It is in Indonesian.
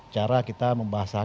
cara kita membahasakan hal tersebut